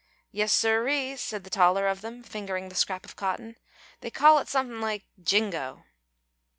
"Yes, siree," said the taller of them, fingering the scrap of cotton; "they call it something like jingo."